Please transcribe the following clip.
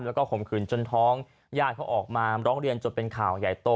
แล้วก็ข่มขืนจนท้องญาติเขาออกมาร้องเรียนจนเป็นข่าวใหญ่โต